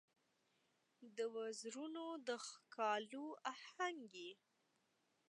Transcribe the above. د وزرونو د ښکالو آهنګ یې